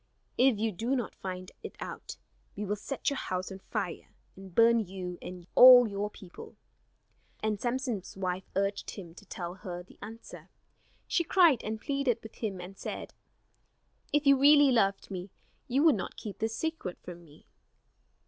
If you do not find it out, we will set your house on fire, and burn you and all your people." And Samson's wife urged him to tell her the answer. She cried and pleaded with him and said: "If you really loved me, you would not keep this a secret from me."